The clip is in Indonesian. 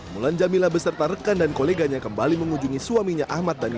mulan jamila beserta rekan dan koleganya kembali mengunjungi suaminya ahmad dhani